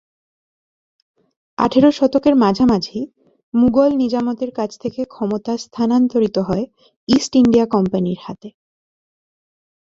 আঠারো শতকের মাঝামাঝি মুগল নিজামতের কাছ থেকে ক্ষমতা স্থানান্তরিত হয় ইস্ট ইন্ডিয়া কোম্পানির হাতে।